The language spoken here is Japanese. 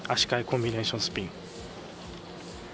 換えコンビネーションスピン。